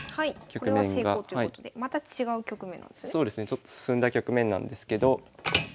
ちょっと進んだ局面なんですけど。